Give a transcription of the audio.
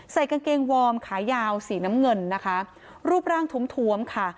ใส่กางเกงวอร์มขายาวสีน้ำเงินนะคะรูปร่างทุ่มทวมค่ะ